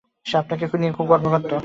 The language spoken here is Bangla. সে আপনাকে নিয়ে গর্ব করতো।